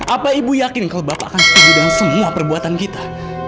apa ibu yakin kalau bapak akan setuju dengan semua perbuatan kita